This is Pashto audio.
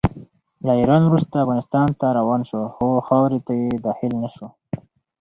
له ایران وروسته افغانستان ته روان شو، خو خاورې ته یې داخل نه شو.